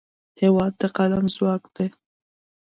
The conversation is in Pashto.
هېواد د قلم ځواک دی.